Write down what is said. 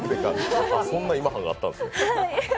そんな今半があったんですね。